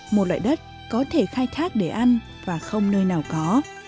một loại đất có thể khai thác để ăn và không nơi nào có